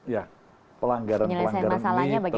ya pelanggaran pelanggaran ini